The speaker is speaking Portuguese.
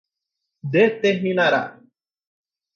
determinará